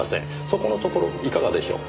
そこのところいかがでしょう？